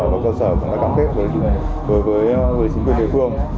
và cơ sở cũng đã cam kết với chính quyền địa phương